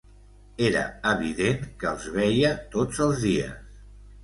Era evident que els veia tots els dies.